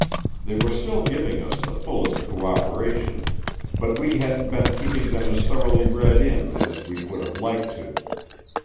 They were still giving us the fullest co operation, but we hadn't been keeping them as thoroughly read in as we would have liked to.